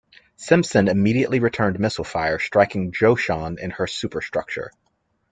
"Simpson" immediately returned missile fire, striking "Joshan" in her superstructure.